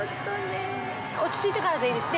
落ち着いてからでいいです。